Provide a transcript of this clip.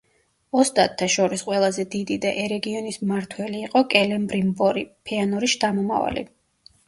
ოსტატთა შორის ყველაზე დიდი და ერეგიონის მმართველი იყო კელებრიმბორი, ფეანორის შთამომავალი.